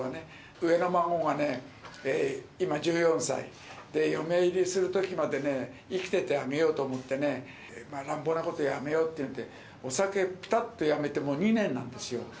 上の孫がね、今１４歳、嫁入りするときまで生きててあげようと思ってね、乱暴なことやめようっていうんで、お酒、ぴたっとやめて、もう２年なんですよ。